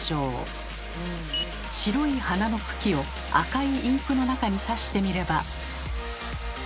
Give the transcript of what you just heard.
白い花の茎を赤いインクの中に挿してみれば。